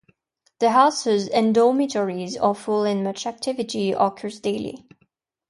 The houses and dormitories are full and much activity occurs daily.